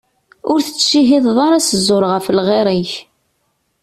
Ur tettcihhideḍ ara s ẓẓur ɣef lɣir-ik.